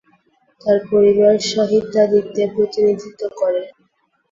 একটা পরিবার সাহিত্যাদিতে প্রতিনিধিত্ব করে।